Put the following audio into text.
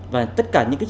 và tất cả những trạng